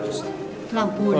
usianya seratus tahun